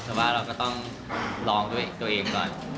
แต่ว่าเราก็ต้องลองด้วยตัวเองก่อน